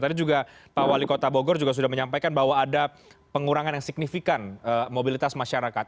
tadi juga pak wali kota bogor juga sudah menyampaikan bahwa ada pengurangan yang signifikan mobilitas masyarakat